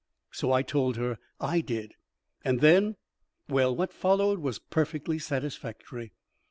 So I told her I did, and then well, what followed was perfectly satisfactory."